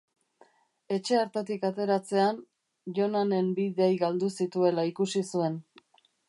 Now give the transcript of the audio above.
Etxe hartatik ateratzean, Jonanen bi dei galdu zituela ikusi zuen.